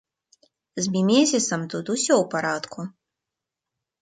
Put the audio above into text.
З мімезісам тут усё ў парадку.